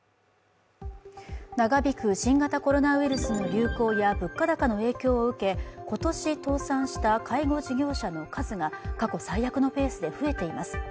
長引く新型コロナウイルスの流行や物価高の影響を受け、今年倒産した介護事業者の数が過去最悪のペースで増えています。